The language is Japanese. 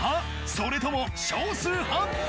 それとも少数派？